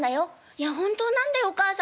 いや本当なんだよお母さん本当。